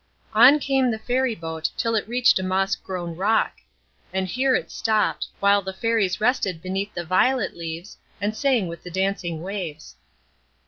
On came the fairy boat, till it reached a moss grown rock; and here it stopped, while the Fairies rested beneath the violet leaves, and sang with the dancing waves.